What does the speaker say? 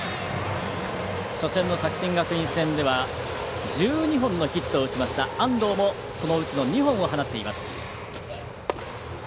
初戦の作新学院戦では１２本のヒットを打ちました安藤も、そのうちの２本を放っています。